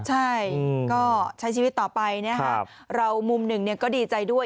ใช่ก็ใช้ชีวิตต่อไปนะครับเรามุมหนึ่งก็ดีใจด้วย